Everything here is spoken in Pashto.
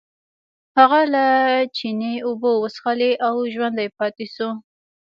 هغه له چینې اوبه وڅښلې او ژوندی پاتې شو.